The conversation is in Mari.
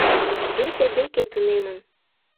Весе деке тунемын.